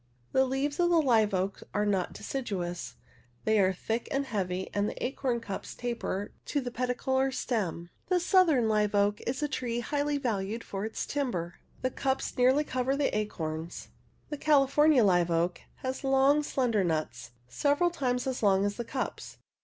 The leaves of the live oaks are not deciduous, they are thick and heavy and the acorn cups taper to the peduncle or stem. The southern live oak is a tree highly valued for its timber; the cups nearly cover the acorns (Figures 1 1 and 1 2). The California live oak has long, slendernuts, sev eral times as long as the cups.